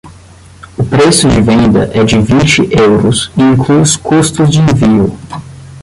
O preço de venda é de vinte euros e inclui os custos de envio.